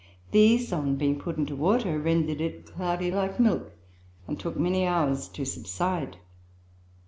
These, on being put into water, rendered it cloudy like milk, and took many hours to subside.